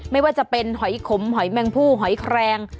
ไม่ว่าจะเป็นหอยขมหอยแมงพู่หอยแครง